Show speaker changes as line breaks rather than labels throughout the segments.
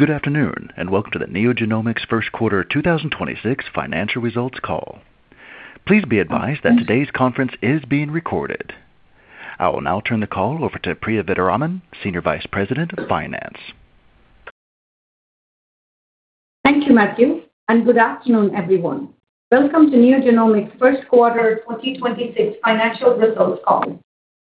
Good afternoon, welcome to the NeoGenomics First Quarter 2026 financial results call. Please be advised that today's conference is being recorded. I will now turn the call over to Priya Vedaraman, Senior Vice President of Finance.
Thank you, Matthew, and good afternoon, everyone. Welcome to NeoGenomics First Quarter 2026 financial results call.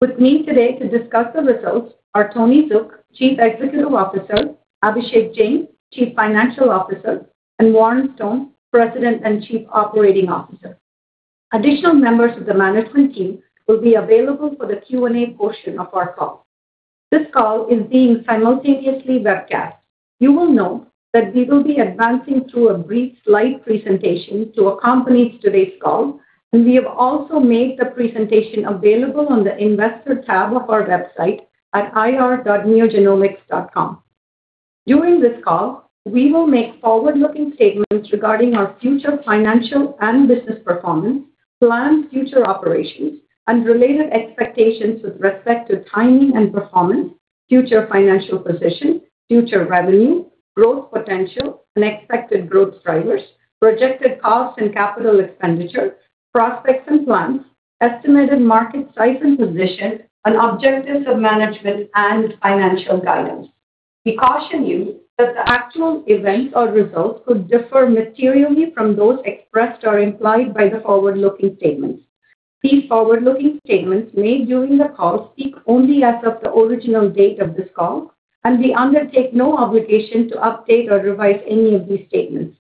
With me today to discuss the results are Tony Zook, Chief Executive Officer, Abhishek Jain, Chief Financial Officer, and Warren Stone, President and Chief Operating Officer. Additional members of the management team will be available for the Q&A portion of our call. This call is being simultaneously webcast. You will note that we will be advancing through a brief slide presentation to accompany today's call, and we have also made the presentation available on the investor tab of our website at ir.neogenomics.com. During this call, we will make forward-looking statements regarding our future financial and business performance, planned future operations and related expectations with respect to timing and performance, future financial position, future revenue, growth potential and expected growth drivers, projected costs and capital expenditure, prospects and plans, estimated market size and position, and objectives of management and financial guidance. We caution you that the actual events or results could differ materially from those expressed or implied by the forward-looking statements. These forward-looking statements made during the call speak only as of the original date of this call, and we undertake no obligation to update or revise any of these statements.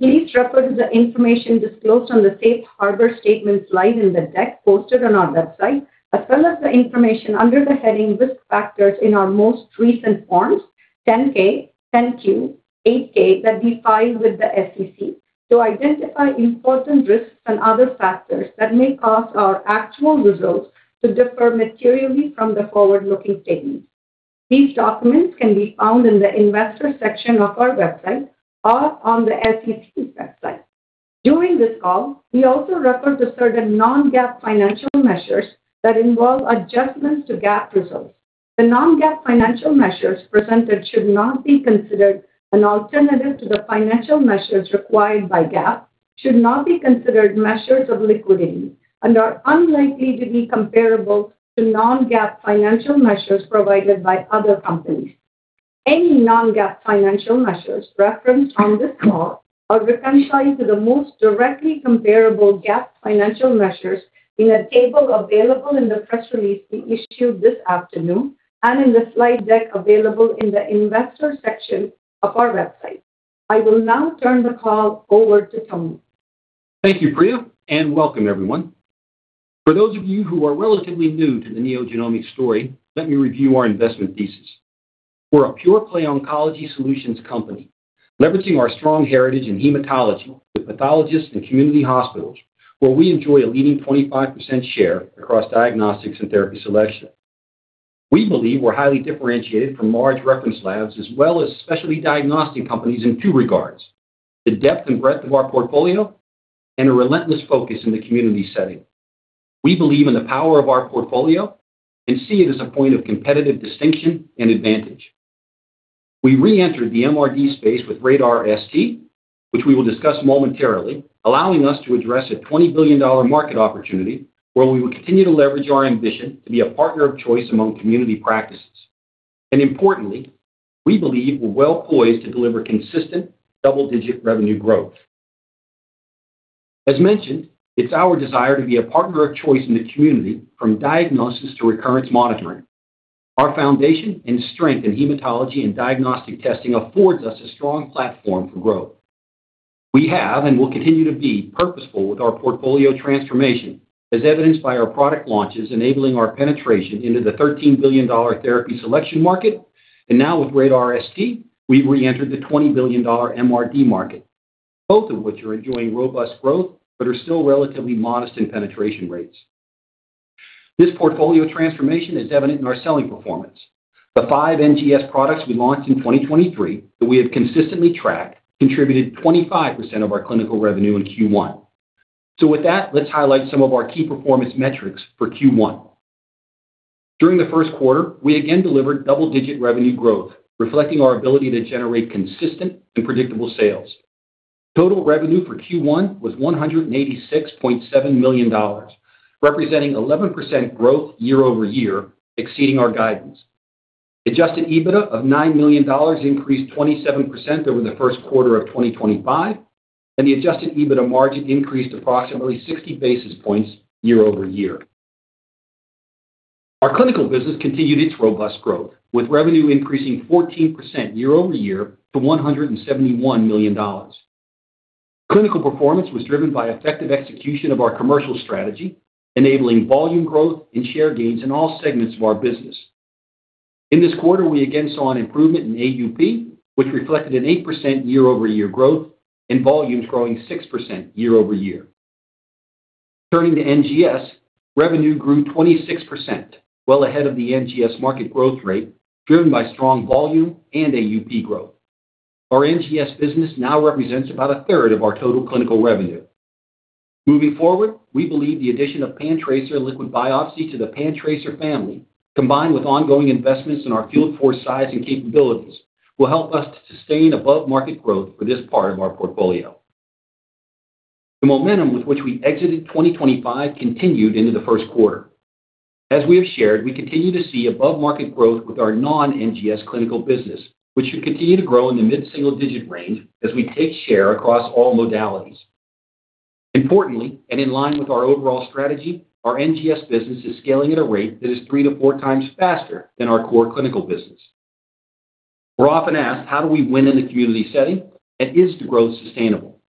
Please refer to the information disclosed on the safe harbor statement slide in the deck posted on our website, as well as the information under the heading Risk Factors in our most recent forms, 10-K, 10-Q, 8-K, that we file with the SEC to identify important risks and other factors that may cause our actual results to differ materially from the forward-looking statements. These documents can be found in the investor section of our website or on the SEC's website. During this call, we also refer to certain non-GAAP financial measures that involve adjustments to GAAP results. The non-GAAP financial measures presented should not be considered an alternative to the financial measures required by GAAP, should not be considered measures of liquidity, and are unlikely to be comparable to non-GAAP financial measures provided by other companies. Any non-GAAP financial measures referenced on this call are reconciled to the most directly comparable GAAP financial measures in a table available in the press release we issued this afternoon and in the slide deck available in the investor section of our website. I will now turn the call over to Tony.
Thank you, Priya, and welcome everyone. For those of you who are relatively new to the NeoGenomics story, let me review our investment thesis. We're a pure-play oncology solutions company, leveraging our strong heritage in hematology with pathologists and community hospitals where we enjoy a leading 25% share across diagnostics and therapy selection. We believe we're highly differentiated from large reference labs as well as specialty diagnostic companies in two regards: the depth and breadth of our portfolio, and a relentless focus in the community setting. We believe in the power of our portfolio and see it as a point of competitive distinction and advantage. We reentered the MRD space with RaDaR ST, which we will discuss momentarily, allowing us to address a $20 billion market opportunity where we will continue to leverage our ambition to be a partner of choice among community practices. Importantly, we believe we're well poised to deliver consistent double-digit revenue growth. As mentioned, it's our desire to be a partner of choice in the community from diagnosis to recurrence monitoring. Our foundation and strength in hematology and diagnostic testing affords us a strong platform for growth. We have and will continue to be purposeful with our portfolio transformation, as evidenced by our product launches enabling our penetration into the $13 billion therapy selection market. Now with RaDaR ST, we've re-entered the $20 billion MRD market, both of which are enjoying robust growth but are still relatively modest in penetration rates. This portfolio transformation is evident in our selling performance. The 5 NGS products we launched in 2023 that we have consistently tracked contributed 25% of our clinical revenue in Q1. With that, let's highlight some of our key performance metrics for Q1. During the first quarter, we again delivered double-digit revenue growth, reflecting our ability to generate consistent and predictable sales. Total revenue for Q1 was $186.7 million, representing 11% growth year-over-year, exceeding our guidance. Adjusted EBITDA of $9 million increased 27% over the first quarter of 2025, and the adjusted EBITDA margin increased approximately 60 basis points year-over-year. Our clinical business continued its robust growth, with revenue increasing 14% year-over-year to $171 million. Clinical performance was driven by effective execution of our commercial strategy, enabling volume growth and share gains in all segments of our business. In this quarter, we again saw an improvement in AUP, which reflected an 8% year-over-year growth and volumes growing 6% year-over-year. Turning to NGS, revenue grew 26%, well ahead of the NGS market growth rate, driven by strong volume and AUP growth. Our NGS business now represents about a third of our total clinical revenue. Moving forward, we believe the addition of PanTracer Liquid biopsy to the PanTracer family, combined with ongoing investments in our field force size and capabilities, will help us to sustain above-market growth for this part of our portfolio. The momentum with which we exited 2025 continued into the first quarter. As we have shared, we continue to see above-market growth with our non-NGS clinical business, which should continue to grow in the mid-single-digit range as we take share across all modalities. Importantly, and in line with our overall strategy, our NGS business is scaling at a rate that is 3-4 times faster than our core clinical business. We're often asked, how do we win in the community setting and is the growth sustainable?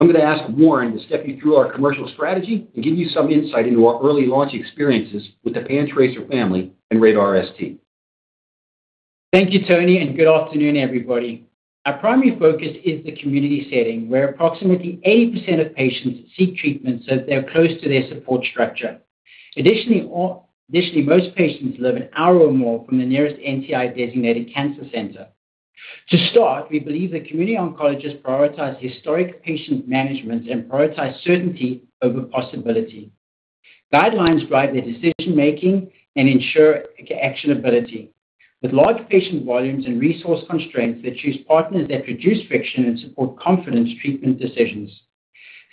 I'm going to ask Warren to step you through our commercial strategy and give you some insight into our early launch experiences with the PanTracer family and RaDaR ST.
Thank you, Tony, and good afternoon, everybody. Our primary focus is the community setting, where approximately 80% of patients seek treatment, so they're close to their support structure. Additionally, most patients live one hour or more from the nearest NCI-designated cancer center. We believe that community oncologists prioritize historic patient management and prioritize certainty over possibility. Guidelines drive their decision-making and ensure actionability. With large patient volumes and resource constraints, they choose partners that reduce friction and support confidence treatment decisions.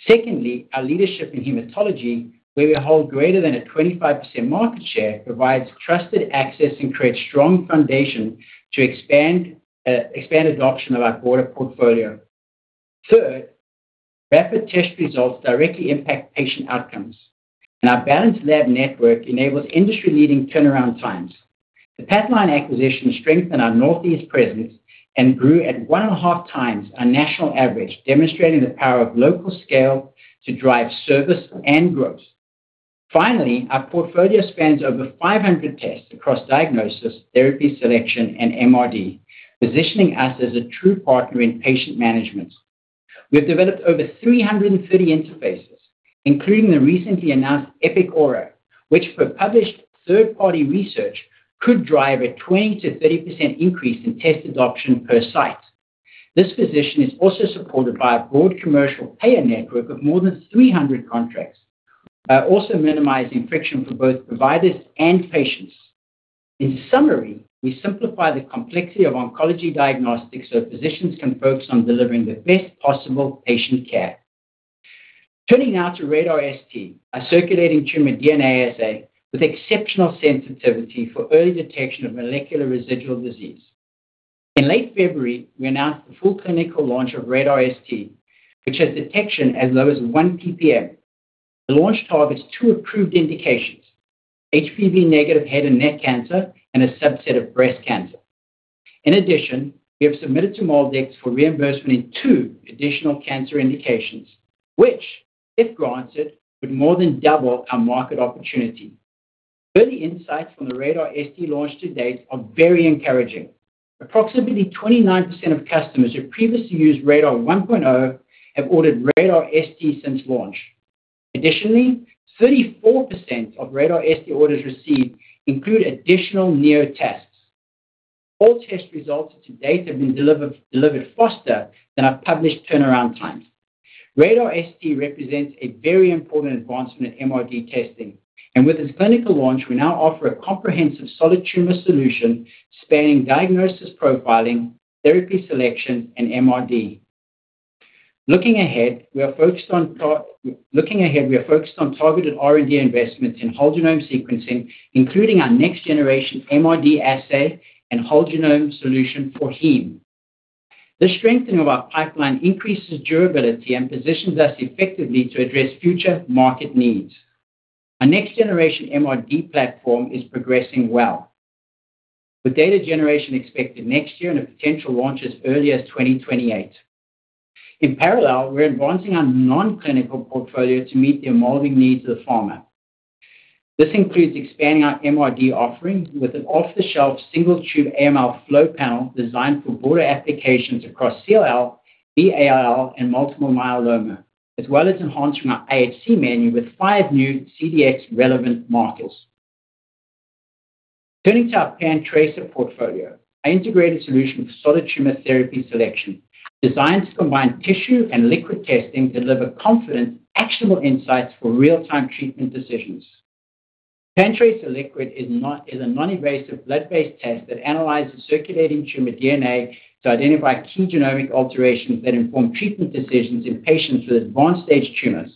Secondly, our leadership in hematology, where we hold greater than a 25% market share, provides trusted access and creates strong foundation to expand adoption of our broader portfolio. Rapid test results directly impact patient outcomes, and our balanced lab network enables industry-leading turnaround times. The Pathline acquisition strengthened our Northeast presence and grew at 1.5x our national average, demonstrating the power of local scale to drive service and growth. Our portfolio spans over 500 tests across diagnosis, therapy, selection, and MRD, positioning us as a true partner in patient management. We have developed over 330 interfaces, including the recently announced Epic Aura, which for published third-party research, could drive a 20%-30% increase in test adoption per site. This position is also supported by a broad commercial payer network of more than 300 contracts, also minimizing friction for both providers and patients. In summary, we simplify the complexity of oncology diagnostics so physicians can focus on delivering the best possible patient care. Turning now to RaDaR ST, a circulating tumor DNA assay with exceptional sensitivity for early detection of molecular residual disease. In late February, we announced the full clinical launch of RaDaR ST, which has detection as low as 1 ppm. The launch targets two approved indications, HPV negative head and neck cancer and a subset of breast cancer. In addition, we have submitted to MolDX for reimbursement in two additional cancer indications, which, if granted, would more than double our market opportunity. Early insights from the RaDaR ST launch to date are very encouraging. Approximately 29% of customers who previously used RaDaR 1.0 have ordered RaDaR ST since launch. Additionally, 34% of RaDaR ST orders received include additional Neo tests. All test results to date have been delivered faster than our published turnaround times. RaDaR ST represents a very important advancement in MRD testing, and with its clinical launch, we now offer a comprehensive solid tumor solution spanning diagnosis profiling, therapy selection, and MRD. Looking ahead, we are focused on targeted R&D investments in whole genome sequencing, including our next-generation MRD assay and whole genome solution for Heme. The strengthening of our pipeline increases durability and positions us effectively to address future market needs. Our next-generation MRD platform is progressing well, with data generation expected next year and a potential launch as early as 2028. In parallel, we're advancing our non-clinical portfolio to meet the evolving needs of pharma. This includes expanding our MRD offerings with an off-the-shelf single-tube AML flow panel designed for broader applications across CLL, B-ALL, and multiple myeloma, as well as enhancing our IHC menu with five new CDx-relevant markers. Turning to our PanTracer portfolio, an integrated solution for solid tumor therapy selection designed to combine tissue and liquid testing to deliver confident, actionable insights for real-time treatment decisions. PanTracer LBx is a non-invasive blood-based test that analyzes circulating tumor DNA to identify key genomic alterations that inform treatment decisions in patients with advanced-stage tumors.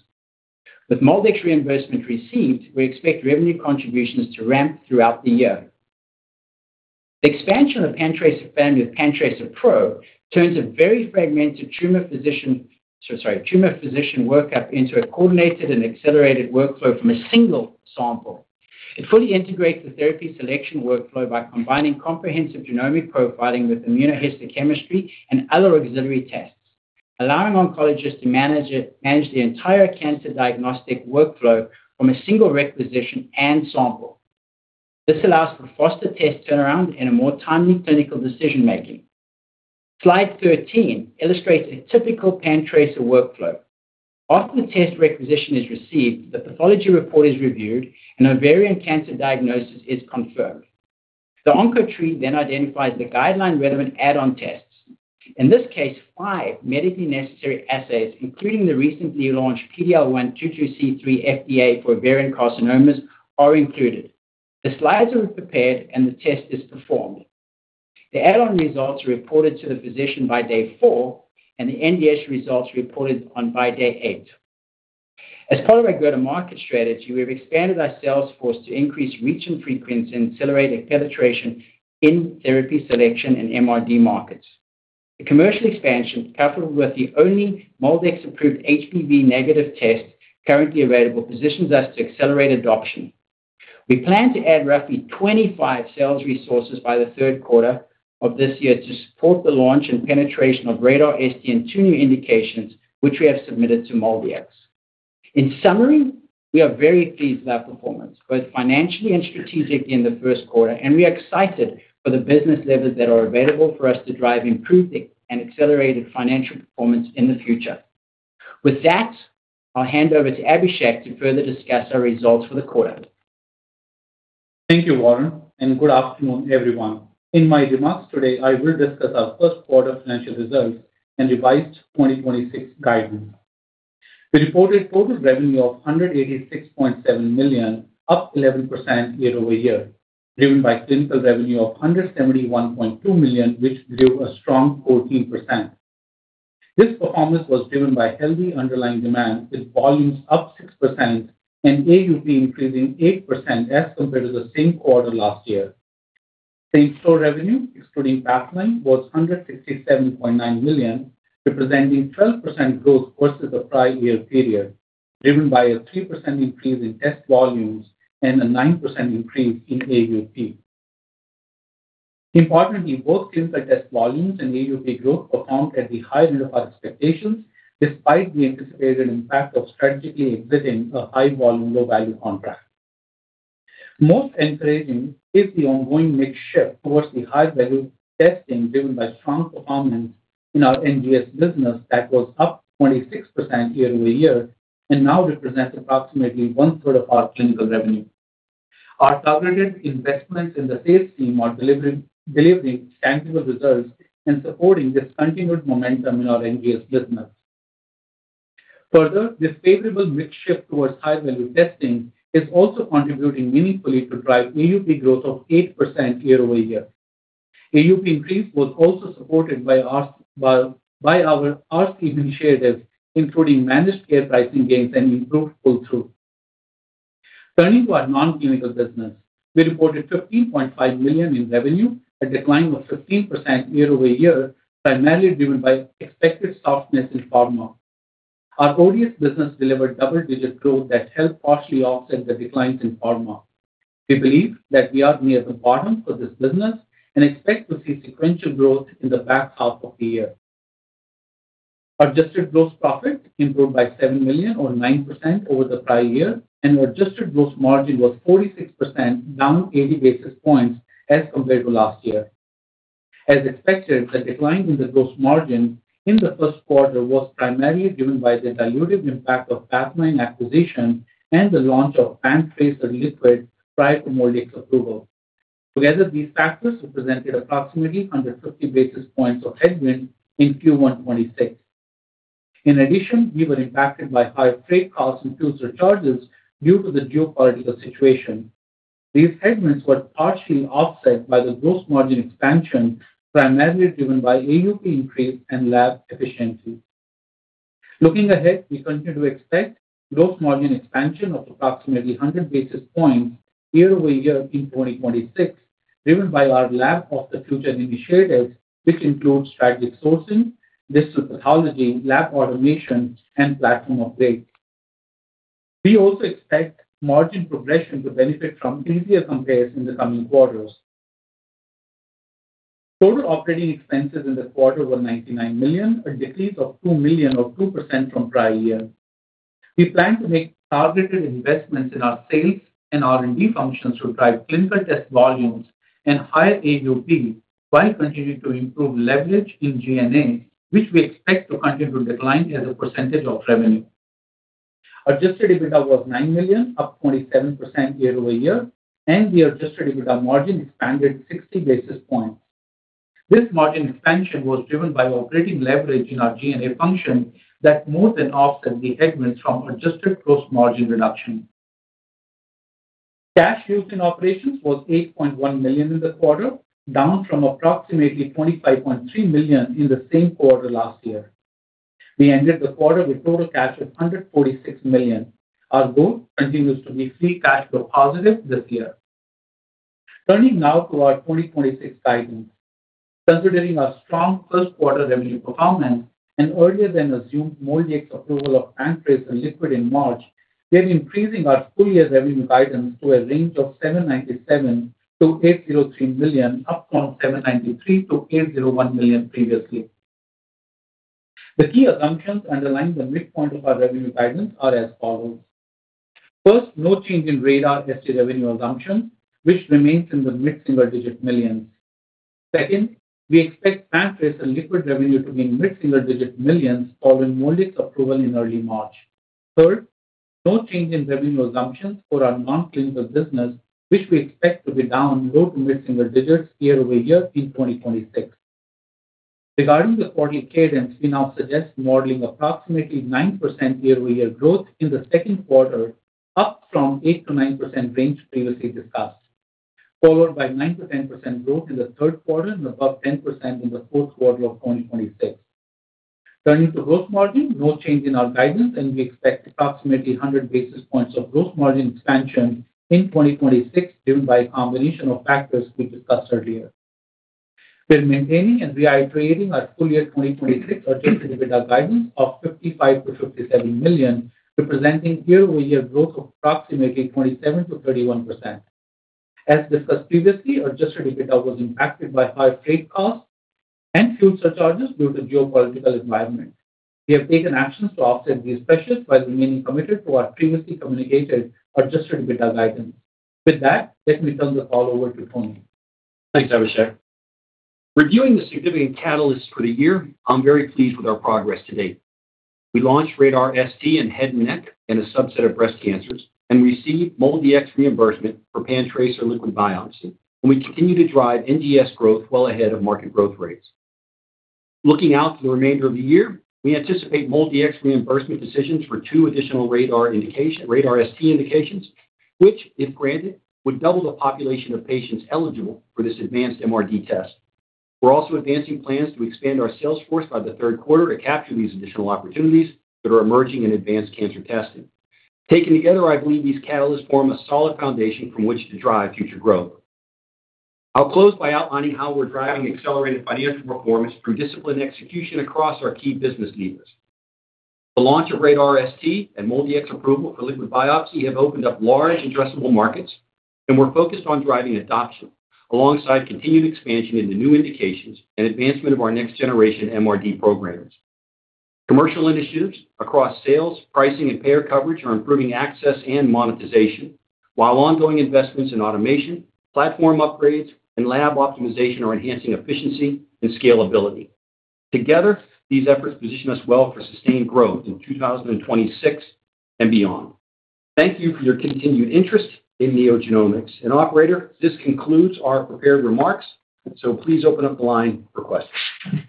With MolDX reimbursement received, we expect revenue contributions to ramp throughout the year. The expansion of PanTracer family with PanTracer Pro turns a very fragmented tumor physician workup into a coordinated and accelerated workflow from a single sample. It fully integrates the therapy selection workflow by combining comprehensive genomic profiling with immunohistochemistry and other auxiliary tests, allowing oncologists to manage the entire cancer diagnostic workflow from a single requisition and sample. This allows for faster test turnaround and a more timely clinical decision-making. Slide 13 illustrates a typical PanTracer workflow. After the test requisition is received, the pathology report is reviewed, and ovarian cancer diagnosis is confirmed. The OncoTree then identifies the guideline-relevant add-on tests. In this case, five medically necessary assays, including the recently launched PD-L1 22C3 for ovarian carcinomas, are included. The slides are prepared, and the test is performed. The add-on results are reported to the physician by day four, and the ODS results reported on by day eight. As part of our go-to-market strategy, we have expanded our sales force to increase reach and frequency and accelerate penetration in therapy selection and MRD markets. The commercial expansion, coupled with the only MolDX-approved HPV negative test currently available, positions us to accelerate adoption. We plan to add roughly 25 sales resources by the third quarter of this year to support the launch and penetration of RaDaR ST in two new indications, which we have submitted to MolDX. In summary, we are very pleased with our performance, both financially and strategically in the first quarter, and we are excited for the business levers that are available for us to drive improved and accelerated financial performance in the future. With that, I'll hand over to Abhishek to further discuss our results for the quarter.
Thank you, Warren, and good afternoon, everyone. In my remarks today, I will discuss our first quarter financial results and revised 2026 guidance. We reported total revenue of $186.7 million, up 11% year-over-year, driven by clinical revenue of $171.2 million, which grew a strong 14%. This performance was driven by healthy underlying demand, with volumes up 6% and AUP increasing 8% as compared to the same quarter last year. Same-store revenue, excluding Pathline, was $167.9 million, representing 12% growth versus the prior year period, driven by a 3% increase in test volumes and a 9% increase in AUP. Importantly, both clinical test volumes and AUP growth performed at the high end of our expectations despite the anticipated impact of strategically exiting a high-volume, low-value contract. Most encouraging is the ongoing mix shift towards the high-value testing driven by strong performance in our NGS business that was up 26% year-over-year and now represents approximately 1/3 of our clinical revenue. Our targeted investments in the sales team are delivering tangible results and supporting this continued momentum in our NGS business. Further, this favorable mix shift towards high-value testing is also contributing meaningfully to drive AUP growth of 8% year-over-year. AUP increase was also supported by our cost-saving initiatives, including managed care pricing gains and improved pull-through. Turning to our non-clinical business, we reported $15.5 million in revenue, a decline of 15% year-over-year, primarily driven by expected softness in pharma. Our ODS business delivered double-digit growth that helped partially offset the declines in pharma. We believe that we are near the bottom for this business and expect to see sequential growth in the back half of the year. Adjusted gross profit improved by $7 million or 9% over the prior year, and adjusted gross margin was 46%, down 80 basis points as compared to last year. As expected, the decline in the gross margin in the first quarter was primarily driven by the dilutive impact of Pathline acquisition and the launch of PanTracer Liquid prior to MolDX approval. Together, these factors represented approximately 150 basis points of headwind in Q1 2026. In addition, we were impacted by higher freight costs and fuel surcharges due to the geopolitical situation. These headwinds were partially offset by the gross margin expansion, primarily driven by AUP increase and lab efficiency. Looking ahead, we continue to expect gross margin expansion of approximately 100 basis points year-over-year in 2026, driven by our Lab of the Future initiatives, which includes strategic sourcing, digital pathology, lab automation, and platform upgrades. We also expect margin progression to benefit from easier compares in the coming quarters. Total operating expenses in the quarter were $99 million, a decrease of $2 million or 2% from prior year. We plan to make targeted investments in our sales and R&D functions to drive clinical test volumes and higher AUP, while continuing to improve leverage in G&A, which we expect to continue to decline as a percentage of revenue. Adjusted EBITDA was $9 million, up 27% year-over-year, and the adjusted EBITDA margin expanded 60 basis points. This margin expansion was driven by operating leverage in our G&A function that more than offset the headwinds from adjusted gross margin reduction. Cash used in operations was $8.1 million in the quarter, down from approximately $25.3 million in the same quarter last year. We ended the quarter with total cash of $146 million. Our goal continues to be free cash flow positive this year. Turning now to our 2026 guidance. Considering our strong first quarter revenue performance and earlier than assumed MolDX approval of PanTracer Liquid in March, we are increasing our full year revenue guidance to a range of $797 million-$803 million up from $793 million-$801 million previously. The key assumptions underlying the midpoint of our revenue guidance are as follows. First, no change in RaDaR ST revenue assumption, which remains in the mid-single-digit $ million. Second, we expect PanTracer Liquid revenue to be in mid-single-digit $ million following MolDX approval in early March. Third, no change in revenue assumptions for our non-clinical business, which we expect to be down low to mid-single digits % year-over-year in 2026. Regarding the quarterly cadence, we now suggest modeling approximately 9% year-over-year growth in the second quarter, up from 8%-9% range previously discussed, followed by 9%-10% growth in the third quarter and above 10% in the fourth quarter of 2026. Turning to gross margin, no change in our guidance. We expect approximately 100 basis points of gross margin expansion in 2026 driven by a combination of factors we discussed earlier. We're maintaining and reiterating our full year 2026 adjusted EBITDA guidance of $55 million-$57 million, representing year-over-year growth of approximately 27%-31%. As discussed previously, adjusted EBITDA was impacted by higher freight costs and fuel surcharges due to geopolitical environment. We have taken actions to offset these pressures while remaining committed to our previously communicated adjusted EBITDA guidance. With that, let me turn the call over to Tony.
Thanks, Abhishek. Reviewing the significant catalysts for the year, I'm very pleased with our progress to date. We launched RaDaR ST in head and neck in a subset of breast cancers. We received MolDX reimbursement for PanTracer Liquid biopsy. We continue to drive ODS growth well ahead of market growth rates. Looking out for the remainder of the year, we anticipate MolDX reimbursement decisions for two additional RaDaR ST indications, which, if granted, would double the population of patients eligible for this advanced MRD test. We're also advancing plans to expand our sales force by the third quarter to capture these additional opportunities that are emerging in advanced cancer testing. Taken together, I believe these catalysts form a solid foundation from which to drive future growth. I'll close by outlining how we're driving accelerated financial performance through disciplined execution across our key business levers. The launch of RaDaR ST and MolDX approval for liquid biopsy have opened up large addressable markets. We're focused on driving adoption alongside continued expansion into new indications and advancement of our next generation MRD programs. Commercial initiatives across sales, pricing, and payer coverage are improving access and monetization, while ongoing investments in automation, platform upgrades, and lab optimization are enhancing efficiency and scalability. Together, these efforts position us well for sustained growth in 2026 and beyond. Thank you for your continued interest in NeoGenomics. Operator, this concludes our prepared remarks, please open up the line for questions.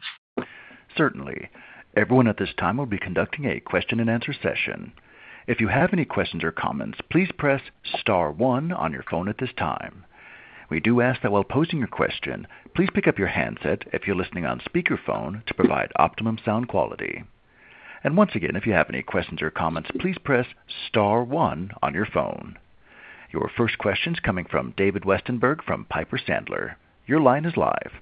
Certainly. Everyone at this time will be conducting a question-and-answer session. If you have any questions or comments, please press star one on your phone at this time. We do ask that while posing your question, please pick up your handset if you're listening on speakerphone to provide optimum sound quality. Once again, if you have any questions or comments, please press star one on your phone. Your first question's coming from David Westenberg from Piper Sandler. Your line is live.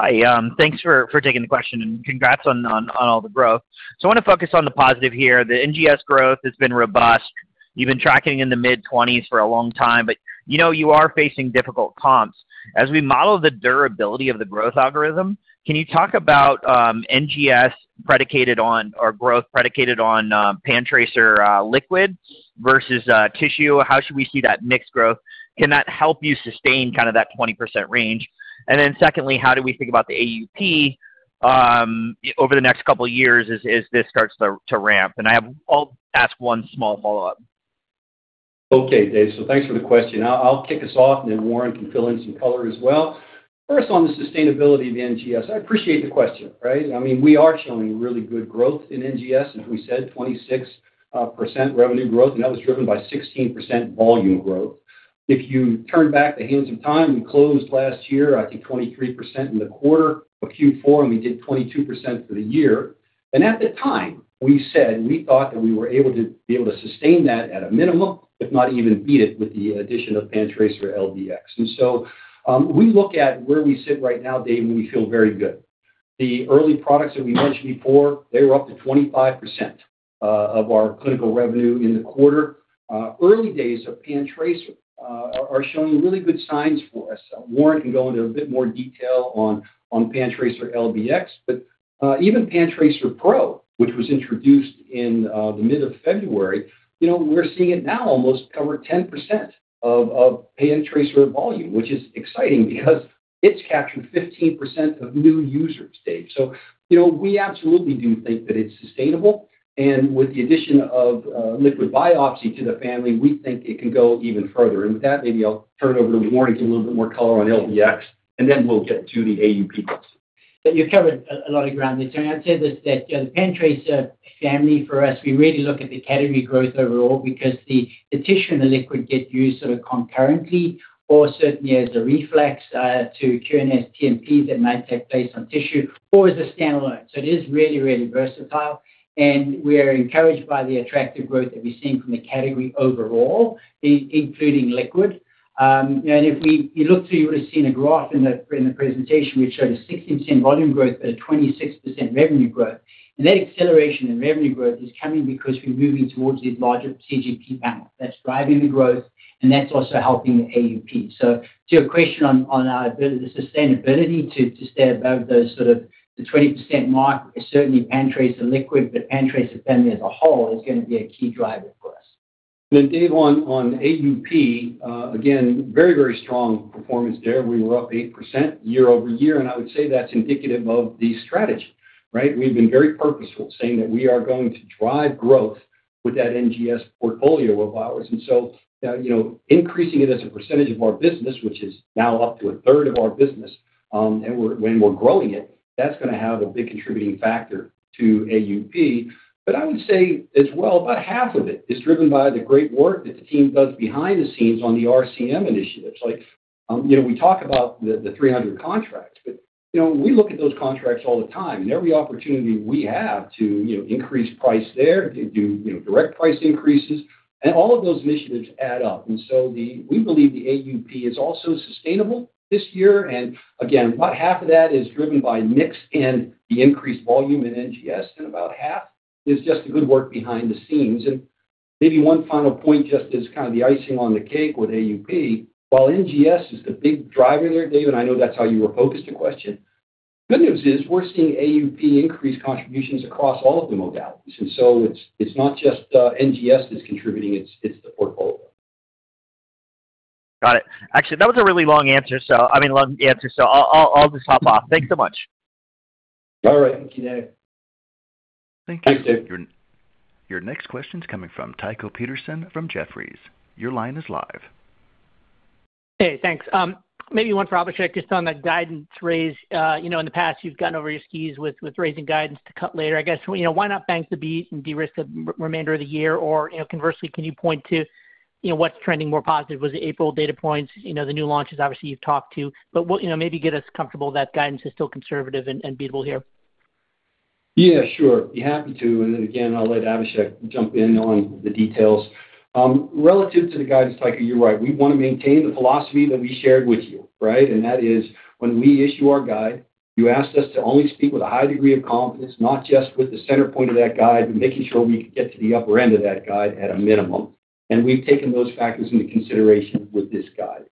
Hi. Thanks for taking the question, and congrats on all the growth. I want to focus on the positive here. The NGS growth has been robust. You've been tracking in the mid-20s for a long time, but, you know, you are facing difficult comps. As we model the durability of the growth algorithm, can you talk about NGS predicated on or growth predicated on PanTracer Liquid versus tissue? How should we see that mixed growth? Can that help you sustain kinda that 20% range? Then secondly, how do we think about the AUP over the next couple years as this starts to ramp? I'll ask one small follow-up.
Okay, Dave. Thanks for the question. I'll kick us off, and then Warren can fill in some color as well. First, on the sustainability of the NGS, I appreciate the question, right? I mean, we are showing really good growth in NGS. As we said, 26% revenue growth, and that was driven by 16% volume growth. If you turn back the hands of time, we closed last year, I think, 23% in the quarter of Q4, and we did 22% for the year. At the time, we said we thought that we were able to sustain that at a minimum, if not even beat it with the addition of PanTracer LBx. We look at where we sit right now, Dave, and we feel very good. The early products that we mentioned before, they were up to 25% of our clinical revenue in the quarter. Early days of PanTracer are showing really good signs for us. Warren can go into a bit more detail on PanTracer LBx. Even PanTracer Pro, which was introduced in the mid of February, you know, we're seeing it now almost over 10% of PanTracer volume, which is exciting because it's captured 15% of new users, Dave. You know, we absolutely do think that it's sustainable, and with the addition of liquid biopsy to the family, we think it can go even further. Maybe I'll turn it over to Warren to give a little bit more color on LBx, then we'll get to the AUP piece.
You've covered a lot of ground there, Tony. I'd say that the PanTracer family for us, we really look at the category growth overall because the tissue and the liquid get used sort of concurrently or certainly as a reflex to QNS TMP that might take place on tissue or as a standalone. It is really versatile, and we are encouraged by the attractive growth that we're seeing from the category overall, including liquid. If you look through, you would've seen a graph in the presentation which showed a 16% volume growth at a 26% revenue growth. That acceleration in revenue growth is coming because we're moving towards these larger CGP panels. That's driving the growth, and that's also helping the AUP. To your question on the sustainability to stay above those sort of the 20% mark, certainly PanTracer LBx, but PanTracer family as a whole is gonna be a key driver for us.
David, on AUP, again, very, very strong performance there. We were up 8% year-over-year, and I would say that's indicative of the strategy, right? We've been very purposeful saying that we are going to drive growth with that NGS portfolio of ours. You know, increasing it as a percentage of our business, which is now up to 1/3 of our business, when we're growing it, that's gonna have a big contributing factor to AUP. I would say as well, about 1/2 of it is driven by the great work that the team does behind the scenes on the RCM initiatives. Like, you know, we talk about the 300 contracts, but, you know, we look at those contracts all the time and every opportunity we have to, you know, increase price there, do, you know, direct price increases, and all of those initiatives add up. We believe the AUP is also sustainable this year, and again, about half of that is driven by mix and the increased volume in NGS, and about half is just the good work behind the scenes. Maybe one final point just as kind of the icing on the cake with AUP, while NGS is the big driver there, Dave, and I know that's how you were focused the question, good news is we're seeing AUP increase contributions across all of the modalities. It's, it's not just NGS that's contributing, it's the portfolio.
Got it. Actually, that was a really long answer, so I mean, long answer, so I'll just hop off. Thanks so much.
All right. Thank you, David.
Thank you.
Thanks, Dave.
Your next question's coming from Tycho Peterson from Jefferies. Your line is live.
Hey, thanks. Maybe one for Abhishek just on the guidance raise. You know, in the past, you've gotten over your skis with raising guidance to cut later. I guess, you know, why not bank the beat and de-risk the remainder of the year? Conversely, can you point to, you know, what's trending more positive? Was it April data points? You know, the new launches obviously you've talked to, but you know, maybe get us comfortable that guidance is still conservative and beatable here.
Yeah, sure. Be happy to. Then again, I'll let Abhishek jump in on the details. Relative to the guidance, Tycho, you're right. We want to maintain the philosophy that we shared with you, right? That is when we issue our guide, you asked us to only speak with a high degree of confidence, not just with the center point of that guide, but making sure we could get to the upper end of that guide at a minimum. We've taken those factors into consideration with this guide.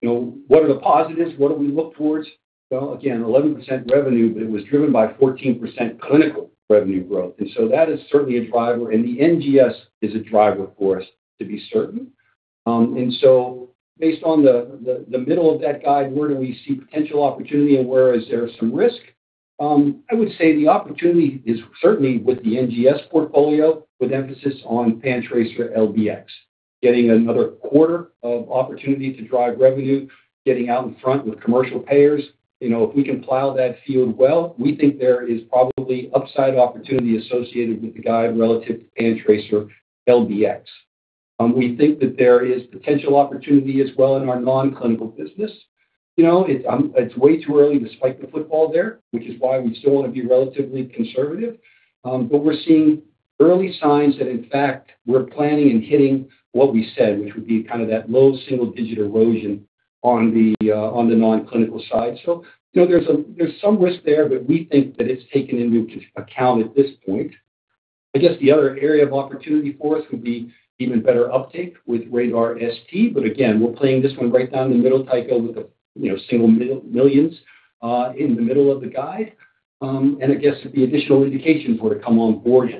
You know, what are the positives? What do we look towards? Again, 11% revenue, but it was driven by 14% clinical revenue growth. That is certainly a driver, and the NGS is a driver for us to be certain. Based on the middle of that guide, where do we see potential opportunity and where is there some risk? I would say the opportunity is certainly with the NGS portfolio, with emphasis on PanTracer LBx. Getting another quarter of opportunity to drive revenue, getting out in front with commercial payers. You know, if we can plow that field well, we think there is probably upside opportunity associated with the guide relative to PanTracer LBx. We think that there is potential opportunity as well in our non-clinical business. You know, it's way too early to spike the football there, which is why we still want to be relatively conservative. We're seeing early signs that in fact, we're planning and hitting what we said, which would be kind of that low single-digit erosion on the non-clinical side. You know, there's some risk there, but we think that it's taken into account at this point. I guess the other area of opportunity for us would be even better uptake with RaDaR ST. Again, we're playing this one right down the middle, Tycho, with the, you know, single millions in the middle of the guide. I guess if the additional indications were to come on board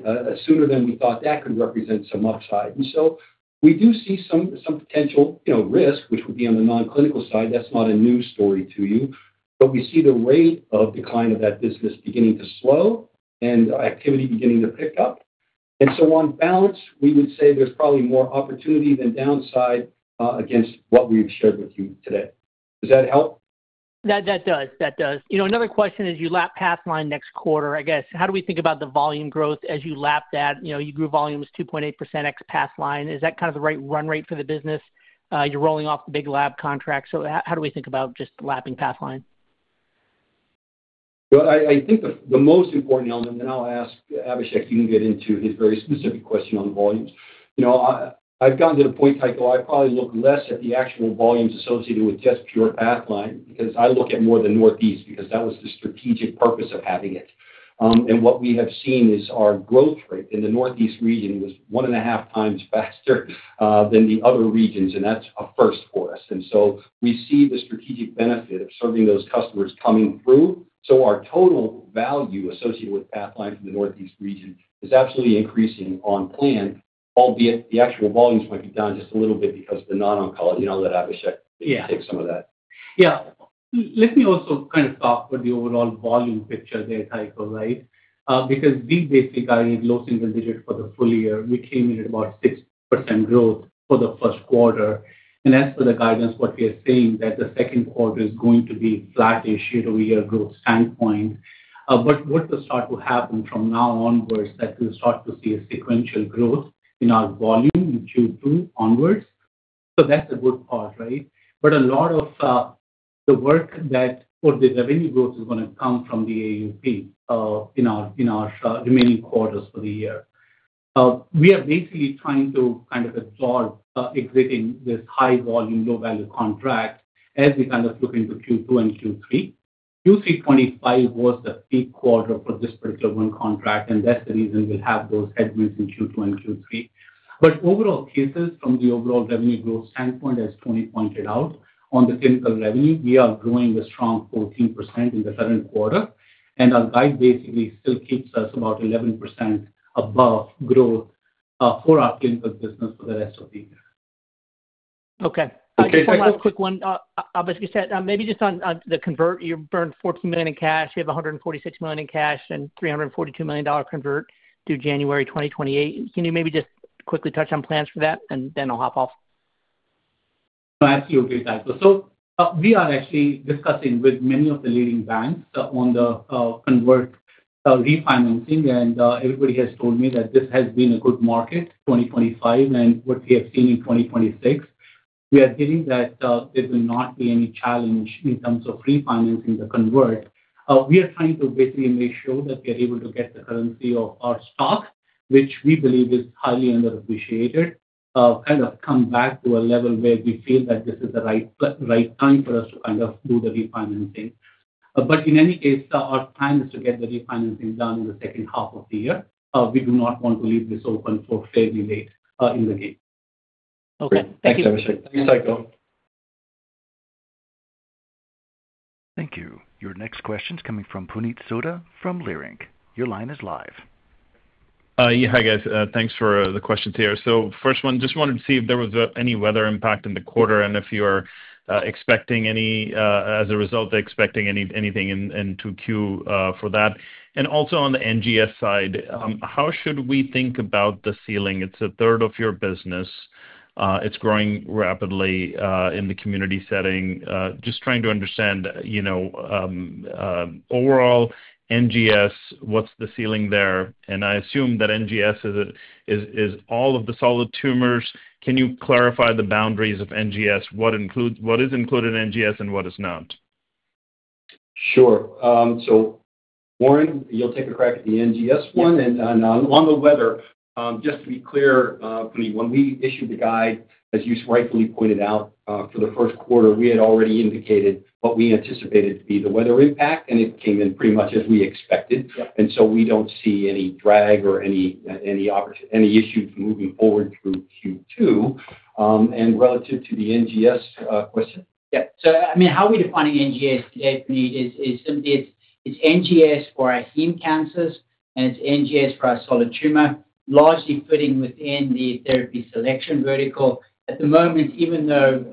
sooner than we thought, that could represent some upside. We do see some potential, you know, risk, which would be on the non-clinical side. That's not a new story to you. We see the rate of decline of that business beginning to slow and activity beginning to pick up. On balance, we would say there's probably more opportunity than downside against what we've shared with you today. Does that help?
That does. That does. You know, another question is you lap Pathline next quarter. I guess, how do we think about the volume growth as you lap that? You know, you grew volumes 2.8% ex Pathline. Is that kind of the right run rate for the business? You're rolling off the big lab contract, so how do we think about just lapping Pathline?
Well, I think the most important element, and then I'll ask Abhishek, he can get into his very specific question on the volumes. You know, I've gotten to the point, Tycho, I probably look less at the actual volumes associated with just pure Pathline because I look at more the Northeast because that was the strategic purpose of having it. What we have seen is our growth rate in the Northeast region was one and a half times faster than the other regions, and that's a first for us. We see the strategic benefit of serving those customers coming through. Our total value associated with Pathline from the Northeast region is absolutely increasing on plan, albeit the actual volumes might be down just a little bit because of the non-oncology, and I'll let Abhishek.
Yeah.
Take some of that.
Yeah. Let me also kind of talk about the overall volume picture there, Tycho, right? Because we basically guided low single digits for the full year. We came in at about 6% growth for the first quarter. As for the guidance, what we are saying that the second quarter is going to be flat-ish year-over-year growth standpoint. What will start to happen from now onwards that we'll start to see a sequential growth in our volume in Q2 onwards. That's the good part, right? A lot of the work for the revenue growth is gonna come from the AUP in our, in our, remaining quarters for the year. We are basically trying to kind of absorb exiting this high volume, low value contract as we kind of look into Q2 and Q3. Q3 2025 was the peak quarter for this particular one contract. That's the reason we'll have those headwinds in Q2 and Q3. Overall cases from the overall revenue growth standpoint, as Tony pointed out, on the clinical revenue, we are growing a strong 14% in the current quarter, and our guide basically still keeps us about 11% above growth for our clinical business for the rest of the year.
Okay. Okay, thank you. Just one last quick one. obviously, maybe just on the convert, you burned $14 million in cash. You have $146 million in cash and $342 million convert due January 2028. Can you maybe just quickly touch on plans for that? Then I'll hop off.
Absolutely, Tycho.. We are actually discussing with many of the leading banks on the convert refinancing. Everybody has told me that this has been a good market, 2025, and what we have seen in 2026. We are getting that there will not be any challenge in terms of refinancing the convert. We are trying to basically make sure that we are able to get the currency of our stock, which we believe is highly underappreciated, kind of come back to a level where we feel that this is the right time for us to kind of do the refinancing. In any case, our plan is to get the refinancing done in the second half of the year. We do not want to leave this open for fairly late in the game.
Okay. Thank you. Thanks, Abhishek.
Thank you. Your next question's coming from Puneet Souda from Leerink Partners.
Hi, guys. Thanks for the questions here. First one, just wanted to see if there was any weather impact in the quarter and if you're expecting anything in 2Q for that. Also on the NGS side, how should we think about the ceiling? It's a 1/3 of your business. It's growing rapidly in the community setting. Just trying to understand, you know, overall NGS, what's the ceiling there? I assume that NGS is all of the solid tumors. Can you clarify the boundaries of NGS? What is included in NGS and what is not?
Sure. Warren, you'll take a crack at the NGS one.
Yeah.
On the weather, just to be clear, Puneet, when we issued the guide, as you rightfully pointed out, for the first quarter, we had already indicated what we anticipated to be the weather impact, and it came in pretty much as we expected.
Sure.
We don't see any drag or any issues moving forward through Q2. Relative to the NGS question.
I mean, how we're defining NGS today, Puneet, is simply it's NGS for our Heme cancers and it's NGS for our solid tumor, largely fitting within the therapy selection vertical. At the moment, even though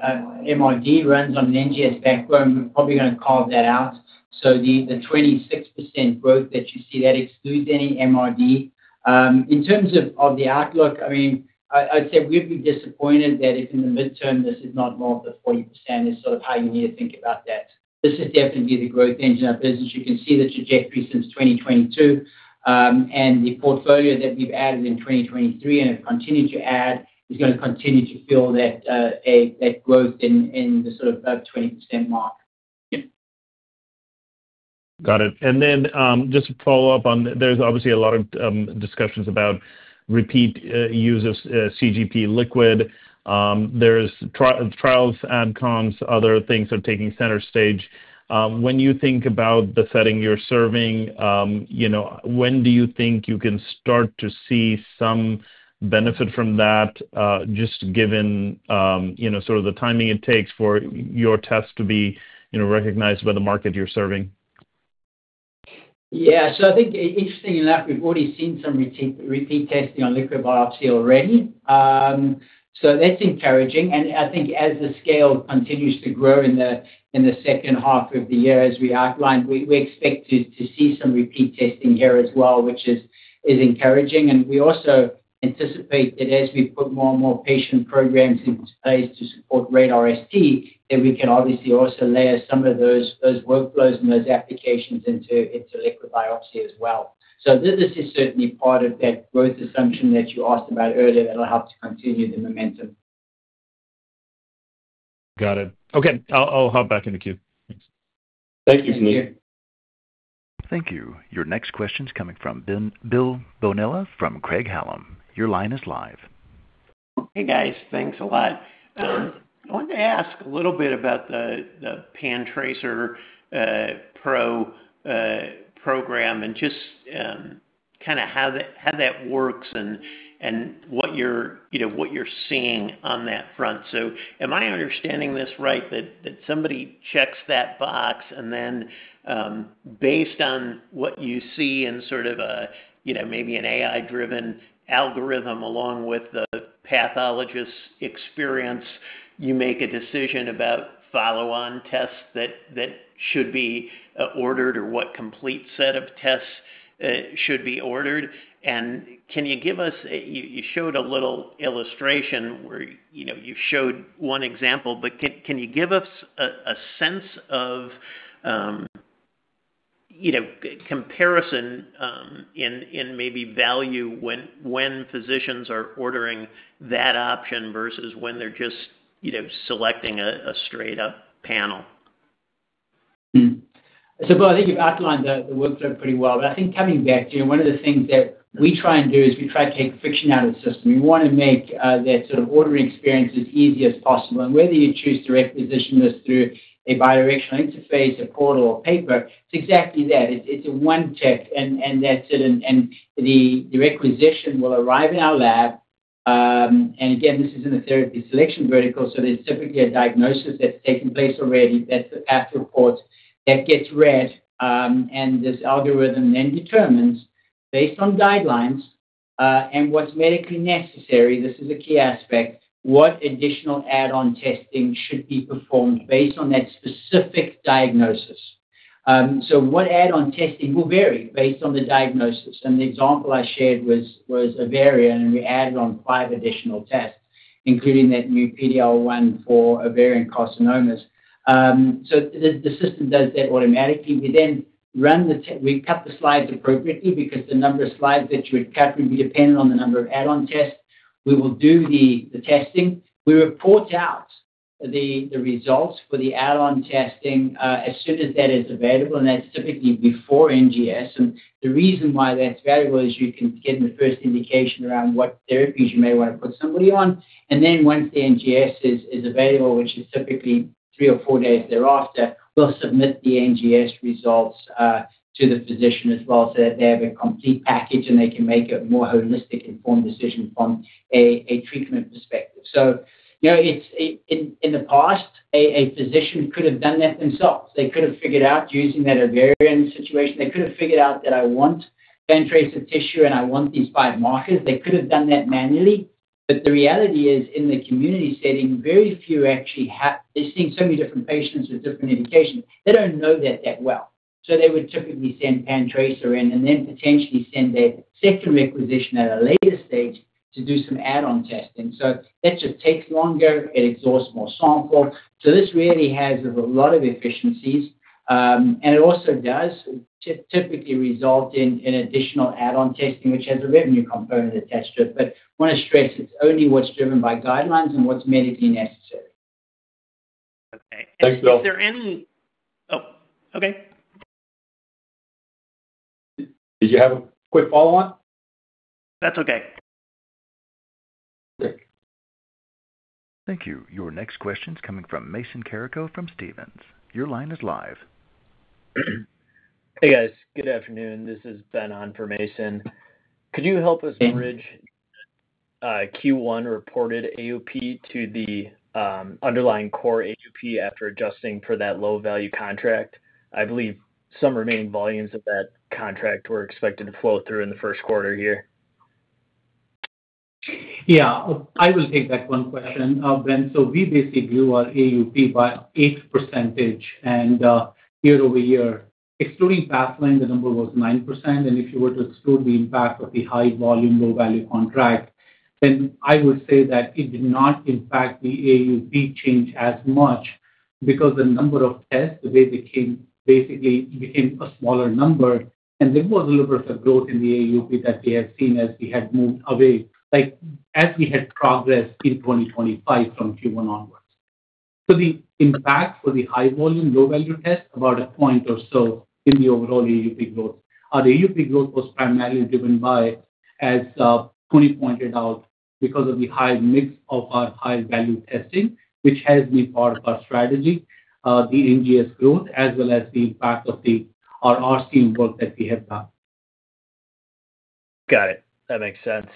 MRD runs on an NGS backbone, we're probably gonna carve that out. The 26% growth that you see, that excludes any MRD. In terms of the outlook, I mean, I'd say we'd be disappointed that if in the midterm this is not more than 40% is sort of how you need to think about that. This is definitely the growth engine of business. You can see the trajectory since 2022. The portfolio that we've added in 2023 and have continued to add is gonna continue to fill that growth in the sort of above 20% mark.
Yeah. Got it. Just to follow up on. There's obviously a lot of discussions about repeat use of CGP liquid. There's tri-trials, add-cons, other things are taking center stage. When you think about the setting you're serving, you know, when do you think you can start to see some benefit from that, just given, you know, sort of the timing it takes for your test to be, you know, recognized by the market you're serving?
Yeah. I think interestingly enough, we've already seen some repeat testing on liquid biopsy already. That's encouraging. I think as the scale continues to grow in the second half of the year, as we outlined, we expect to see some repeat testing here as well, which is encouraging. We also anticipate that as we put more and more patient programs into place to support RaDaR ST, that we can obviously also layer some of those workflows and those applications into liquid biopsy as well. This is certainly part of that growth assumption that you asked about earlier that'll help to continue the momentum.
Got it. Okay. I'll hop back in the queue. Thanks.
Thank you, Puneet.
Thank you.
Thank you. Your next question's coming from Bill Bonello from Craig-Hallum. Your line is live.
Hey, guys. Thanks a lot. I wanted to ask a little bit about the PanTracer Pro program and just kinda how that, how that works and what you're, you know, what you're seeing on that front. Am I understanding this right that somebody checks that box and then, based on what you see in sort of a, you know, maybe an AI-driven algorithm along with the pathologist's experience, you make a decision about follow-on tests that should be ordered or what complete set of tests should be ordered? Can you give us You showed a little illustration where, you know, you showed one example, but can you give us a sense of, you know, comparison in maybe value when physicians are ordering that option versus when they're just, you know, selecting a straight up panel?
Bill, I think you've outlined the workflow pretty well. I think coming back to one of the things that we try and do is we try to take friction out of the system. We wanna make that sort of ordering experience as easy as possible. Whether you choose to requisition this through a bi-directional interface, a portal, or paper, it's exactly that. It's a 1 check and that's it. The requisition will arrive in our lab. And again, this is in the therapy selection vertical, there's typically a diagnosis that's taken place already. That's the path report that gets read. This algorithm then determines based on guidelines, and what's medically necessary, this is a key aspect, what additional add-on testing should be performed based on that specific diagnosis. What add-on testing will vary based on the diagnosis, and the example I shared was ovarian, and we added on five additional tests, including that new PD-L1 for ovarian carcinomas. The system does that automatically. We then cut the slides appropriately because the number of slides that you would cut would be dependent on the number of add-on tests. We will do the testing. We report out the results for the add-on testing as soon as that is available, and that's typically before NGS. The reason why that's valuable is you can get the first indication around what therapies you may wanna put somebody on. Once the NGS is available, which is typically three or four days thereafter, we'll submit the NGS results to the physician as well so that they have a complete package, and they can make a more holistic, informed decision from a treatment perspective. You know, in the past, a physician could have done that themselves. They could have figured out, using that ovarian situation, they could have figured out that I want PanTracer Tissue, and I want these five markers. They could have done that manually. The reality is, in the community setting, very few actually have. They're seeing so many different patients with different indications, they don't know that that well. They would typically send PanTracer in and then potentially send a second requisition at a later stage to do some add-on testing. That just takes longer. It exhausts more samples. This really has a lot of efficiencies, and it also typically result in an additional add-on testing, which has a revenue component attached to it. Wanna stress it's only what's driven by guidelines and what's medically necessary.
Okay. Thanks, Bill. Oh, okay. Did you have a quick follow-on?
That's okay. Okay.
Thank you. Your next question's coming from Mason Carrico from Stephens. Your line is live.
Hey, guys. Good afternoon. This is Ben on for Mason.
Mm-hmm...
bridge, Q1 reported AUP to the underlying core AUP after adjusting for that low-value contract? I believe some remaining volumes of that contract were expected to flow through in the first quarter here.
Yeah, I will take that one question, Ben. We basically grew our AUP by 8% year-over-year. Excluding baseline, the number was 9%, if you were to exclude the impact of the high volume, low value contract, I would say that it did not impact the AUP change as much because the number of tests, they became a smaller number. There was a little bit of a growth in the AUP that we had seen as we had moved away, like, as we had progressed in 2025 from Q1 onwards. The impact for the high volume, low value test, about one point or so in the overall AUP growth. Our AUP growth was primarily driven by, as Puneet pointed out, because of the high mix of our high-value testing, which has been part of our strategy, the NGS growth, as well as the impact of the RRC work that we have done.
Got it. That makes sense.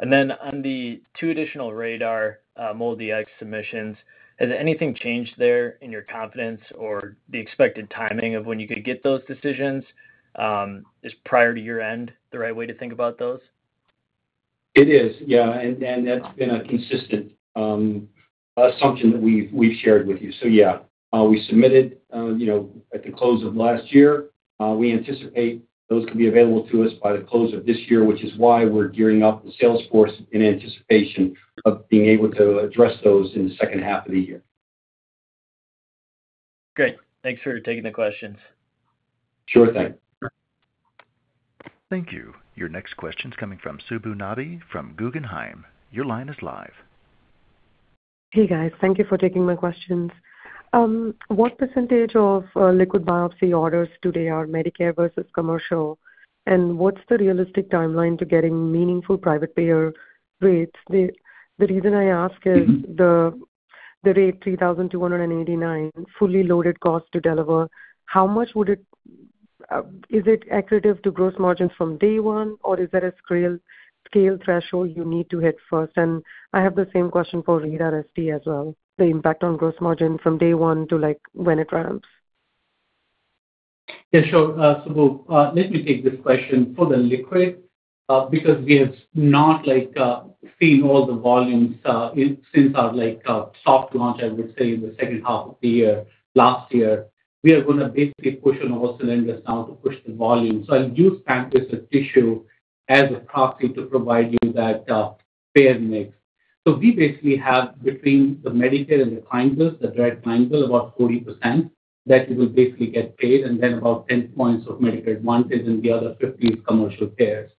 On the two additional RaDaR MolDX submissions, has anything changed there in your confidence or the expected timing of when you could get those decisions? Is prior to year-end the right way to think about those?
It is, yeah, and that's been a consistent assumption that we've shared with you. Yeah, we submitted, you know, at the close of last year. We anticipate those could be available to us by the close of this year, which is why we're gearing up the sales force in anticipation of being able to address those in the second half of the year.
Great. Thanks for taking the questions.
Sure thing.
Thank you. Your next question's coming from Subbu Nambi from Guggenheim. Your line is live.
Hey, guys. Thank you for taking my questions. What % of liquid biopsy orders today are Medicare versus commercial? What's the realistic timeline to getting meaningful private payer rates? The reason I ask is. Mm-hmm the rate $3,289 fully loaded cost to deliver, how much would it be accretive to gross margins from day one, or is there a scale threshold you need to hit first? I have the same question for RaDaR ST as well, the impact on gross margin from day one to, like, when it ramps.
Yeah, sure, Subbu. Let me take this question for the liquid because we have not seen all the volumes since our soft launch, I would say, in the second half of the year, last year. We are gonna basically push on our cylinders now to push the volume. I'll use PanTracer Tissue as a proxy to provide you that payer mix. We basically have between the Medicare and the Medicaid, the red Kindle, about 40% that we will basically get paid, and then about 10 points of Medicare Advantage and the other 15 commercial payers.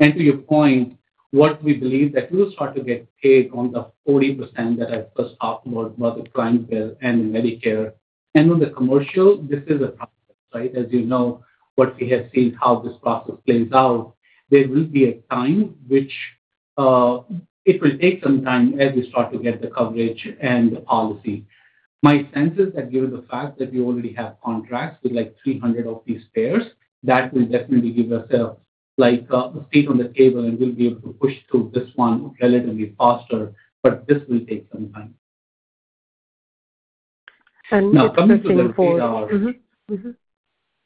To your point, what we believe that we'll start to get paid on the 40% that I first talked about the Medicaid and Medicare. On the commercial, this is a process, right? As you know, what we have seen, how this process plays out, there will be a time which it will take some time as we start to get the coverage and the policy. My sense is that given the fact that we already have contracts with like 300 of these payers, that will definitely give ourselves, like, a seat on the table, and we'll be able to push through this one relatively faster, but this will take some time. Now coming to the RaDaR.
Mm-hmm, mm-hmm...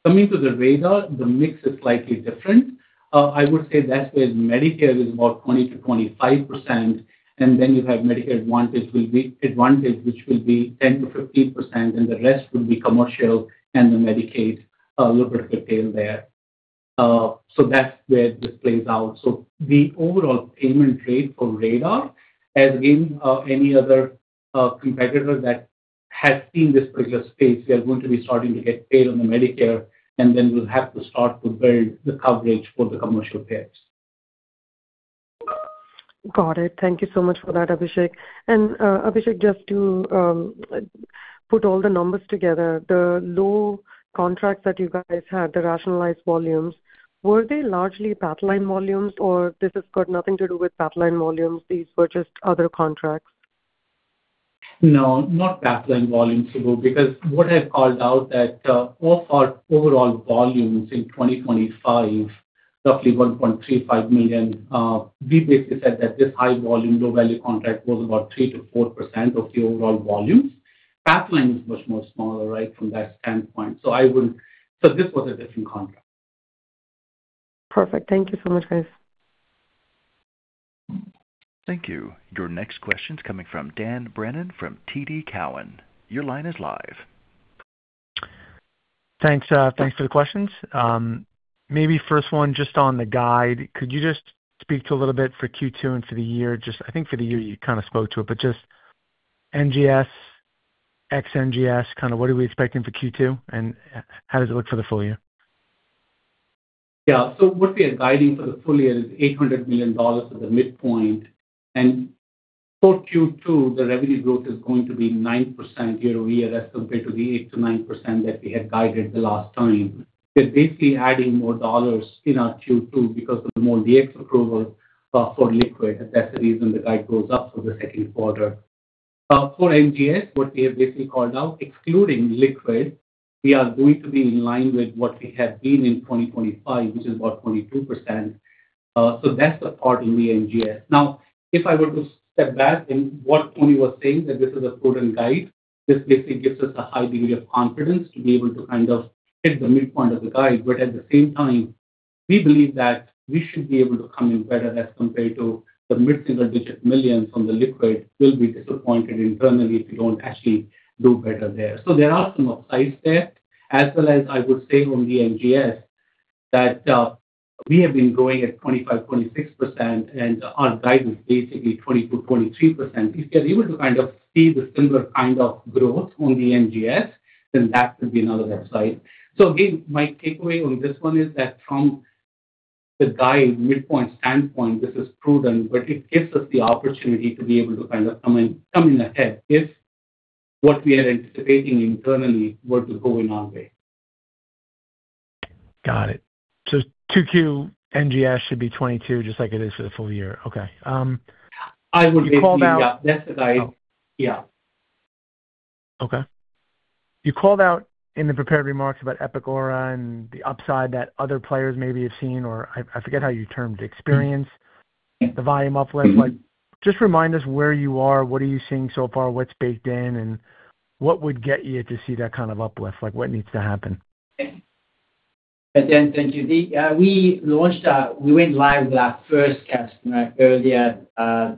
coming to the RaDaR, the mix is slightly different. I would say that where Medicare is about 20%-25%, and then you have Medicare Advantage will be 10%-15%, and the rest will be commercial and the Medicaid, little bit of the tail there. That's where this plays out. The overall payment rate for RaDaR, as in any other competitor that has seen this particular space, they are going to be starting to get paid on the Medicare, and then we'll have to start to build the coverage for the commercial payers.
Got it. Thank you so much for that, Abhishek. Abhishek, just to put all the numbers together, the low contracts that you guys had, the rationalized volumes, were they largely Pathline volumes or this has got nothing to do with Pathline volumes, these were just other contracts?
No, not Pathline volumes, Subbu, because what I've called out that, of our overall volumes in 2025, roughly $1.35 million, we basically said that this high volume, low value contract was about 3%-4% of the overall volumes. Pathline is much more smaller, right, from that standpoint. This was a different contract.
Perfect. Thank you so much, guys.
Thank you. Your next question is coming from Dan Brennan from TD Cowen. Your line is live.
Thanks, thanks for the questions. Maybe first one just on the guide. Could you just speak to a little bit for Q2 and for the year? Just I think for the year you kinda spoke to it. Just NGS, ex-NGS, kind of what are we expecting for Q2, and how does it look for the full year?
What we are guiding for the full year is $800 million for the midpoint. For Q2, the revenue growth is going to be 9% year-over-year. That's compared to the 8%-9% that we had guided the last time. We're basically adding more dollars in our Q2 because of the more CDx approval for liquid, and that's the reason the guide goes up for the second quarter. For NGS, what we have basically called out, excluding liquid, we are going to be in line with what we have been in 2025, which is about 22%. That's the part in the NGS. If I were to step back and what Tony was saying, that this is a prudent guide, this basically gives us a high degree of confidence to be able to kind of hit the midpoint of the guide. At the same time, we believe that we should be able to come in better as compared to the $ mid-single digit millions from the liquid. We'll be disappointed internally if we don't actually do better there. There are some upsides there. I would say on the NGS that we have been growing at 25%-26% and our guidance basically 22%-23%. If we're able to kind of see the similar kind of growth on the NGS, then that could be another upside. Again, my takeaway on this one is that from the guide midpoint standpoint, this is prudent, but it gives us the opportunity to be able to kind of come in ahead if what we are anticipating internally were to go in our way.
Got it. 2Q NGS should be 2022, just like it is for the full year. Okay.
I would say-
You called out-
Yeah, that's the guide. Yeah.
Okay. You called out in the prepared remarks about Epic Aura and the upside that other players maybe have seen, or I forget how you termed experience, the volume uplift.
Mm-hmm.
Like, just remind us where you are, what are you seeing so far, what's baked in, and what would get you to see that kind of uplift? Like, what needs to happen?
Dan, thank you. We went live with our first customer earlier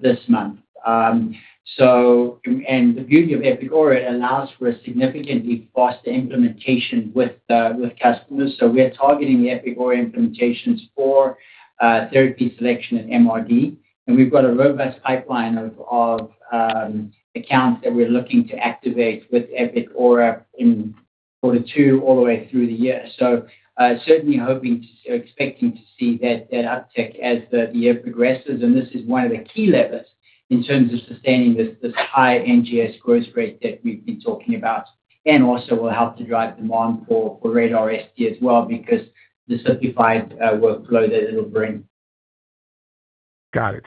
this month. The beauty of Epic Aura, it allows for a significantly faster implementation with customers. We are targeting the Epic Aura implementations for therapy selection and MRD. We've got a robust pipeline of accounts that we're looking to activate with Epic Aura in quarter two all the way through the year. Certainly expecting to see that uptick as the year progresses. This is one of the key levers in terms of sustaining this high NGS growth rate that we've been talking about, also will help to drive demand for RaDaR ST as well because the simplified workflow that it'll bring.
Got it.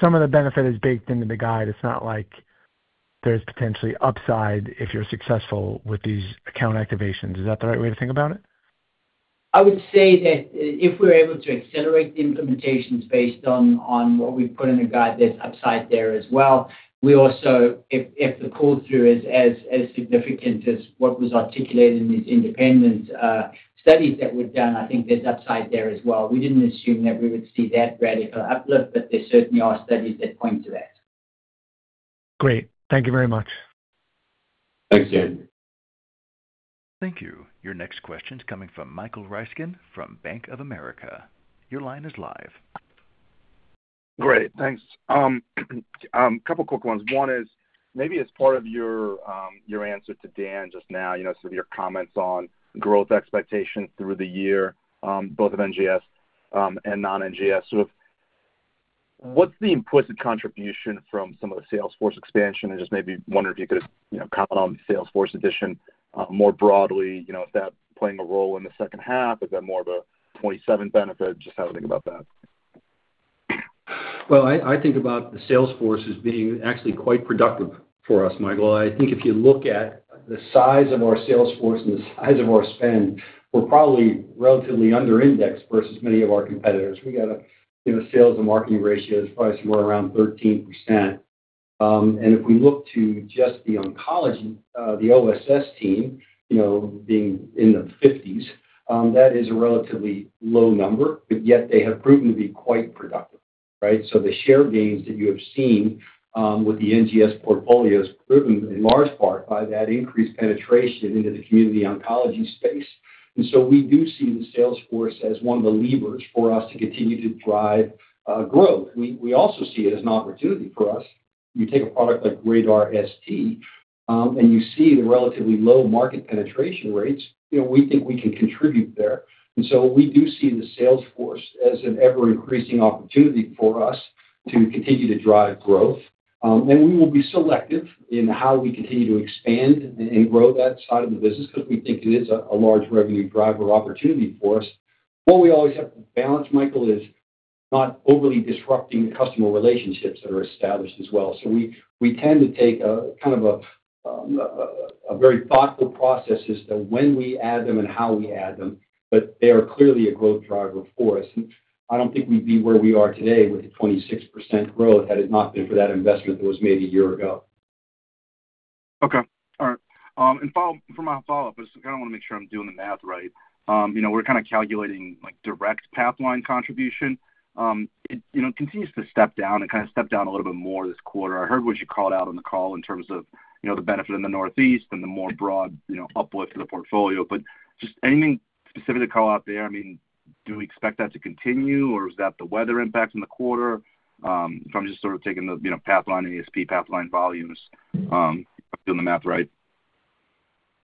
Some of the benefit is baked into the guide. It's not like there's potentially upside if you're successful with these account activations. Is that the right way to think about it?
I would say that if we're able to accelerate the implementations based on what we've put in the guide, there's upside there as well. We also, if the pull-through is as significant as what was articulated in these independent studies that were done, I think there's upside there as well. We didn't assume that we would see that radical uplift, but there certainly are studies that point to that.
Great. Thank you very much.
Thanks, Dan.
Thank you. Your next question is coming from Michael Ryskin from Bank of America. Your line is live.
Great. Thanks. Couple quick ones. One is, maybe as part of your answer to Dan Brennan just now, you know, some of your comments on growth expectations through the year, both of NGS and non-NGS. Sort of what's the implicit contribution from some of the sales force expansion? I just maybe wondering if you could, you know, comment on the sales force addition more broadly, you know, if that playing a role in the second half. Is that more of a 2027 benefit? Just how to think about that.
Well, I think about the sales force as being actually quite productive for us, Michael. I think if you look at the size of our sales force and the size of our spend, we're probably relatively under indexed versus many of our competitors. We got a, you know, sales and marketing ratio that's probably somewhere around 13%. If we look to just the oncology, the OSS team, you know, being in the 50s, that is a relatively low number, but yet they have proven to be quite productive, right. The share gains that you have seen with the NGS portfolio is driven in large part by that increased penetration into the community oncology space. We do see the sales force as one of the levers for us to continue to drive growth. We also see it as an opportunity for us. You take a product like RaDaR ST, you see the relatively low market penetration rates, you know, we think we can contribute there. We do see the sales force as an ever-increasing opportunity for us to continue to drive growth. We will be selective in how we continue to expand and grow that side of the business 'cause we think it is a large revenue driver opportunity for us. What we always have to balance, Michael, is not overly disrupting customer relationships that are established as well. We tend to take a very thoughtful process as to when we add them and how we add them. They are clearly a growth driver for us, and I don't think we'd be where we are today with the 26% growth had it not been for that investment that was made one year ago.
Okay. All right. For my follow-up, I just kinda wanna make sure I'm doing the math right. You know, we're kinda calculating, like, direct Pathline contribution. It, you know, continues to step down and kinda step down a little bit more this quarter. I heard what you called out on the call in terms of, you know, the benefit in the Northeast and the more broad, you know, uplift for the portfolio. Just anything specific to call out there? I mean, do we expect that to continue, or is that the weather impact in the quarter? If I'm just sort of taking the, you know, Pathline and ESP Pathline volumes, if I'm doing the math right.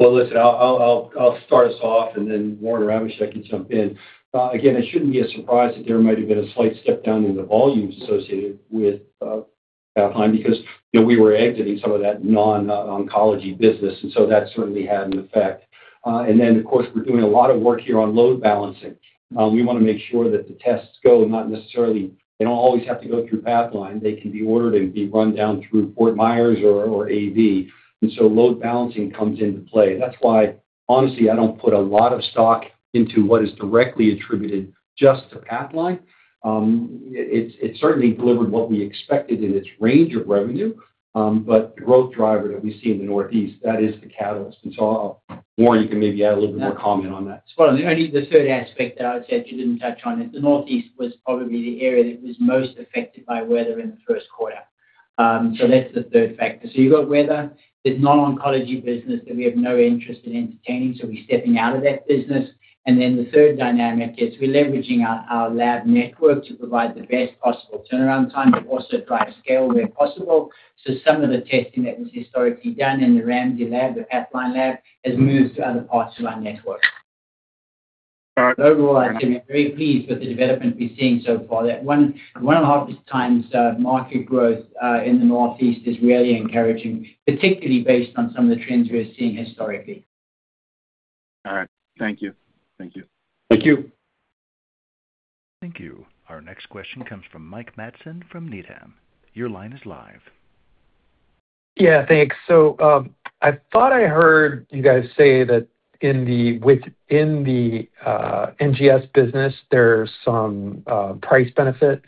Well, listen, I'll start us off. Warren or Ramesh can jump in. Again, it shouldn't be a surprise that there might have been a slight step down in the volumes associated with Pathline because, you know, we were exiting some of that non-oncology business. That certainly had an effect. Of course we're doing a lot of work here on load balancing. We wanna make sure that the tests go. They don't always have to go through Pathline. They can be ordered and be run down through Fort Myers or A.V. Load balancing comes into play. That's why honestly I don't put a lot of stock into what is directly attributed just to Pathline. It certainly delivered what we expected in its range of revenue, but the growth driver that we see in the Northeast, that is the catalyst. Warren, you can maybe add a little bit more comment on that.
Spot on. The third aspect that I would say that you didn't touch on, that the Northeast was probably the area that was most affected by weather in the first quarter. That's the third factor. You've got weather, the non-oncology business that we have no interest in entertaining, so we're stepping out of that business, and then the third dynamic is we're leveraging our lab network to provide the best possible turnaround time, but also drive scale where possible. Some of the testing that was historically done in the Ramsey lab, the Pathline lab, has moved to other parts of our network. Overall, I'd say we're very pleased with the development we've seen so far there. One and a half times market growth in the Northeast is really encouraging, particularly based on some of the trends we are seeing historically.
All right. Thank you. Thank you.
Thank you.
Thank you. Our next question comes from Mike Matson from Needham. Your line is live.
Yeah, thanks. I thought I heard you guys say that in the, within the NGS business there's some price benefit.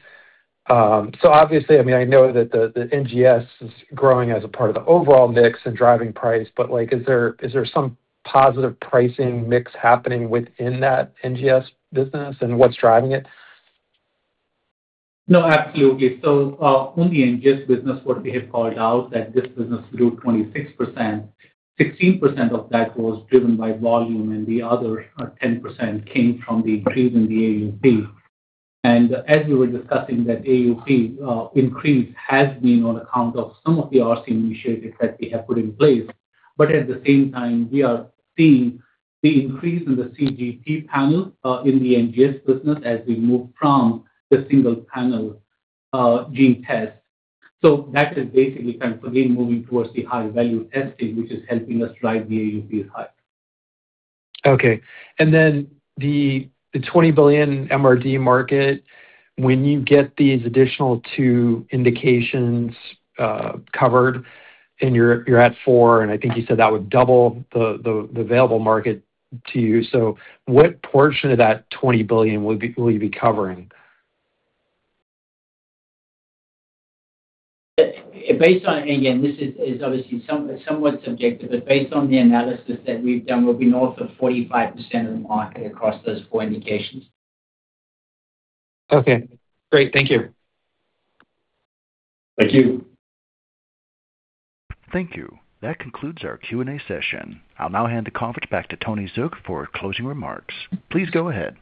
Obviously, I mean, I know that the NGS is growing as a part of the overall mix and driving price, but like, is there some positive pricing mix happening within that NGS business, and what's driving it?
No, absolutely. On the NGS business, what we have called out that this business grew 26%, 16% of that was driven by volume, the other 10% came from the increase in the AUP. As we were discussing that AUP increase has been on account of some of the RCM initiatives that we have put in place. At the same time, we are seeing the increase in the CGP panel in the NGS business as we move from the single-panel gene test. That is basically kind of, again, moving towards the high-value testing, which is helping us drive the AUP high.
Okay. The $20 billion MRD market, when you get these additional two indications covered and you're at four, I think you said that would double the available market to you. What portion of that $20 billion will you be covering?
Based on, again, this is obviously somewhat subjective, based on the analysis that we've done, we'll be north of 45% of the market across those four indications.
Okay, great. Thank you.
Thank you.
Thank you. That concludes our Q&A session. I'll now hand the conference back to Tony Zook for closing remarks. Please go ahead.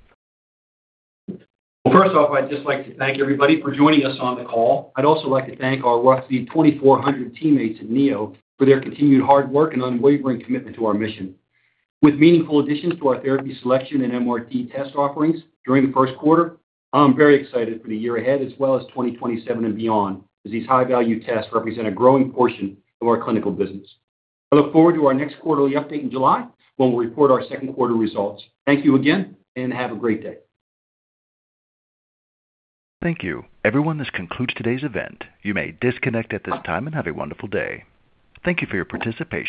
Well, first off, I'd just like to thank everybody for joining us on the call. I'd also like to thank our roughly 2,400 teammates at NeoGenomics for their continued hard work and unwavering commitment to our mission. With meaningful additions to our therapy selection and MRD test offerings during the first quarter, I'm very excited for the year ahead as well as 2027 and beyond, as these high-value tests represent a growing portion of our clinical business. I look forward to our next quarterly update in July when we report our second quarter results. Thank you again, and have a great day.
Thank you. Everyone, this concludes today's event. You may disconnect at this time, and have a wonderful day. Thank you for your participation.